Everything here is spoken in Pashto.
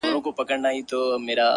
زه ورته ټوله شپه قرآن لولم قرآن ورښيم;